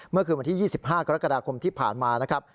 เมื่อคืนวันที่๒๕กรกฎาคมที่ผ่านมานะครับ